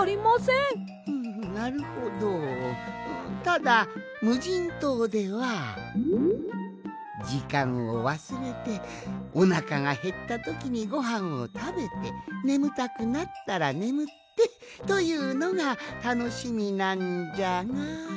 ふむなるほどただむじんとうではじかんをわすれておなかがへったときにごはんをたべてねむたくなったらねむってというのがたのしみなんじゃが。